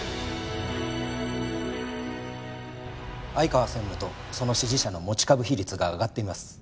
相川専務とその支持者の持ち株比率が上がっています。